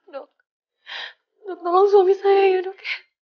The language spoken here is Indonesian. dok dok tolong suami saya yuk dok ya